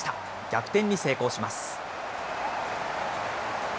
逆転に成功します。